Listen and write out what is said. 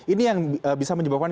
ini yang bisa menyebabkan